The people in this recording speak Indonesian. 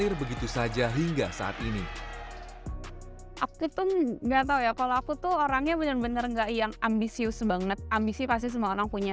ambisius pasti semua orang punya